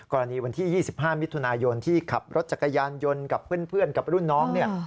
กรณีวันที่๒๕มิถุนายนที่ขับรถจักรยานยนต์กับเพื่อนกับรุ่นน้องเนี่ย